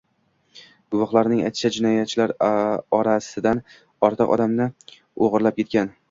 Guvohlarning aytishicha, jinoyatchilaro´ndan ortiq odamni o‘g‘irlab ketgan